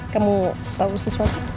kamu tau sesuatu